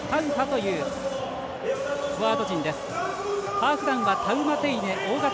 ハーフ団がタウマテイネ。